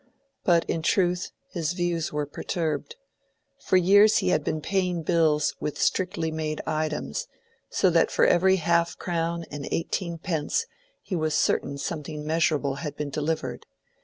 But in truth his views were perturbed. For years he had been paying bills with strictly made items, so that for every half crown and eighteen pence he was certain something measurable had been delivered.